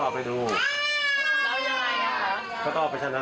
แม่กระสุนแม่ครับนี่กฎหมายครับ